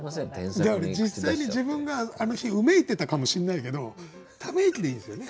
実際に自分があの日うめいてたかもしんないけど「ため息」でいいんですよね。